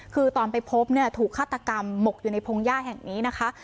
คือตอนไปพบเนี่ยถูกฆาตกรรมหมกอยู่ในพงหญ้าแห่งนี้นะคะ